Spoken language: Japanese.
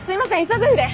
急ぐんで。